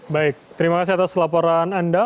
baik terima kasih atas laporan anda